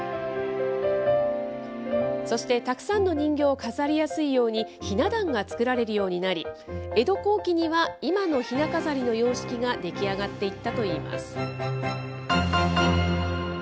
そしてたくさんの人形を飾りやすいように、ひな壇が作られるようになり、江戸後期には今のひな飾りの様式が出来上がっていったといいます。